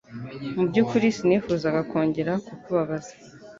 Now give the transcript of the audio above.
Mu byukuri sinifuzaga kongera kukubabaza.